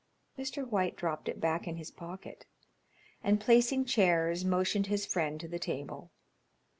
Mr. White dropped it back in his pocket, and placing chairs, motioned his friend to the table.